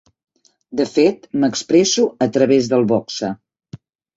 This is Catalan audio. De fet, m'expresso a través del boxa.